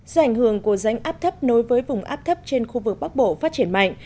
do ảnh hưởng của rãnh áp thấp nối với vùng áp thấp trên khu vực bắc bộ phát triển mạnh